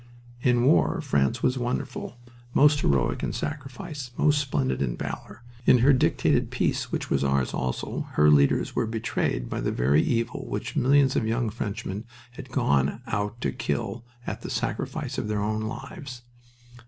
In war France was wonderful, most heroic in sacrifice, most splendid in valor. In her dictated peace, which was ours also, her leaders were betrayed by the very evil which millions of young Frenchmen had gone out to kill at the sacrifice of their own lives.